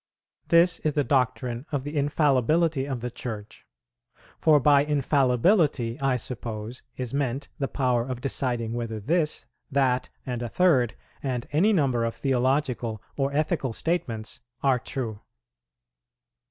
This is the doctrine of the infallibility of the Church; for by infallibility I suppose is meant the power of deciding whether this, that, and a third, and any number of theological or ethical statements are true.